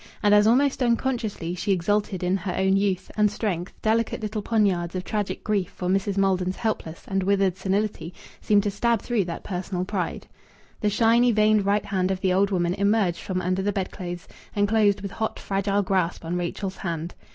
And as almost unconsciously she exulted in her own youth, and strength, delicate little poniards of tragic grief for Mrs. Maldon's helpless and withered senility seemed to stab through that personal pride. The shiny, veined right hand of the old woman emerged from under the bedclothes and closed with hot, fragile grasp on Rachel's hand.